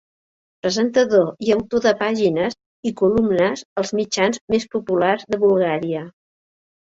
Presentador i autor de pàgines i columnes als mitjans més populars de Bulgària.